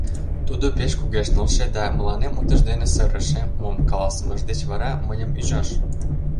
Тудо пеш кугешнылше да мыланем утыждене сырыше, мом каласымыж деч вара мыйым ӱжаш...